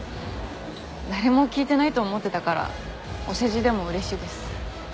誰も聴いてないと思ってたからお世辞でもうれしいです。